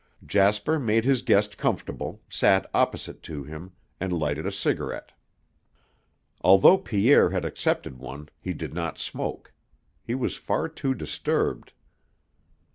Jasper made his guest comfortable, sat opposite to him, and lighted a cigarette. Although Pierre had accepted one, he did not smoke. He was far too disturbed.